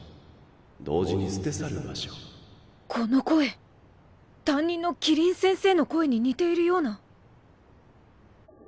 同時に捨て去る場所・この声担任の希林先生の声に似ているような